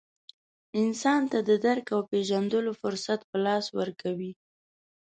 انسان ته د درک او پېژندلو فرصت په لاس ورکوي.